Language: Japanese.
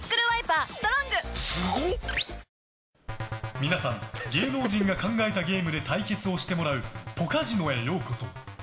皆さん芸能人が考えたゲームで対決をしてもらうポカジノへようこそ。